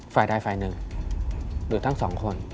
ฝ่ายใดฝ่ายหนึ่งหรือทั้งสองคน